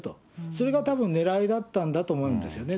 それがたぶんねらいだったんだと思うんですよね。